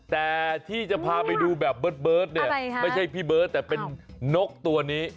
แต่ที่จะพาไปดูแบบเบิร์ตเนี่ยไม่ใช่พี่เบิร์ตแต่เป็นนกตัวนี้